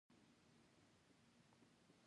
دا ټول د تولید بیه په ګوته کوي